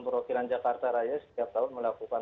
perwakilan jakarta raya setiap tahun melakukan